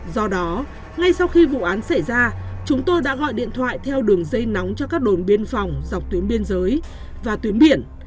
do đó ngay sau khi vụ án xảy ra chúng tôi đã gọi điện thoại theo đường dây nóng cho các đồn biên phòng dọc tuyến biên giới và tuyến biển